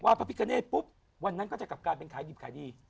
พระพิกาเนตปุ๊บวันนั้นก็จะกลับกลายเป็นขายดิบขายดี